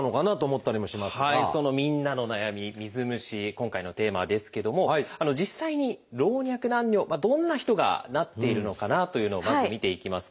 今回のテーマですけども実際に老若男女どんな人がなっているのかなというのをまず見ていきます。